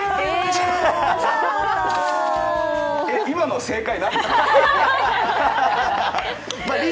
今の正解、何？